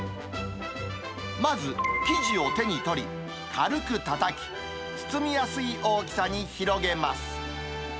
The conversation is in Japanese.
まず、生地を手に取り、軽くたたき、包みやすい大きさに広げます。